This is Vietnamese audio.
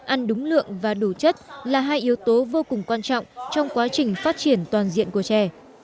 ăn đúng lượng và đủ chất là hai yếu tố vô cùng quan trọng trong quá trình phát triển toàn diện của trẻ